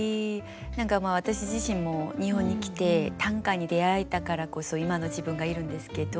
何か私自身も日本に来て短歌に出会えたからこそ今の自分がいるんですけど。